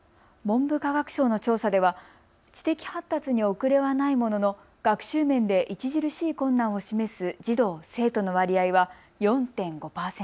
文部科学省の調査では知的発達に遅れはないものの学習面で著しい困難を示す児童・生徒の割合は４．５％。